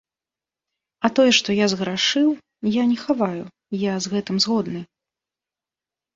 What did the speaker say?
А тое, што я зграшыў, я не хаваю, я з гэтым згодны.